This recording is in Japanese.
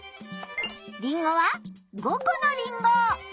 りんごは５コのりんご。